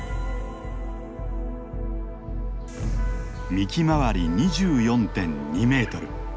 幹周り２４．２メートル。